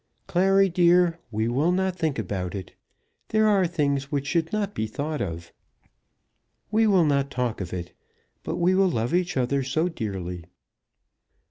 "Clary, dear; we will not think about it. There are things which should not be thought of. We will not talk of it, but we will love each other so dearly."